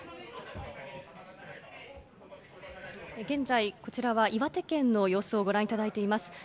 現在、こちらは岩手県の様子をご覧いただいています。